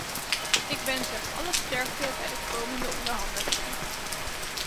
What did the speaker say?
Ik wens hem alle sterkte bij de komende onderhandelingen.